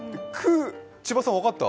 千葉さん分かった？